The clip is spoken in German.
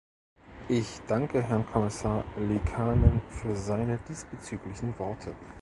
Ich danke Herrn Kommissar Liikanen für seine diesbezüglichen Worte.